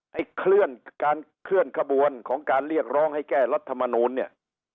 ให้เคลื่อนการเคลื่อนขบวนของการเรียกร้องให้แก้รัฐมนูลเนี่ย